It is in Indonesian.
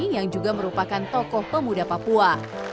yang juga merupakan tokoh pemuda papua